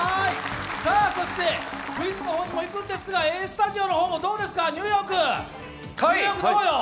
そしてクイズの方にも行くんですけれどもＡスタジオの方はどうでしょうかニューヨークどうよ？